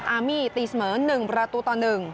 อามี่ตีเสมอ๑ประตูต่อ๑